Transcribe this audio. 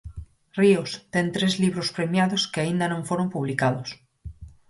Ríos ten tres libros premiados que aínda non foron publicados.